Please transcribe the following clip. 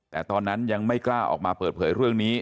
แต่ตอนนั้นยังไม่กล้าออกมาเปิดเผยเรื่องนี้